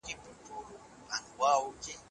عدالت باید زموږ د ژوند بنسټ وي.